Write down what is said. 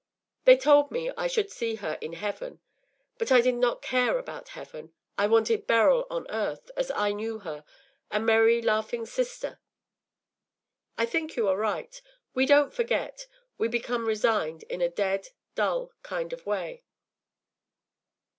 They told me I should see her in heaven, but I did not care about heaven. I wanted Beryl on earth, as I knew her, a merry laughing sister. I think you are right: we don’t forget; we become resigned in a dead, dull kind of way.